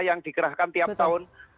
yang dikerahkan tiap tahun